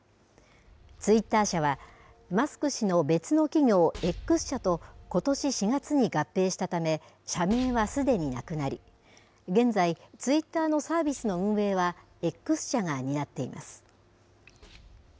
ツイッター社は、マスク氏の別の企業、Ｘ社と、ことし４月に合併したため、社名はすでになくなり、現在、ツイッターのサービスの運営はＸ社が担っています。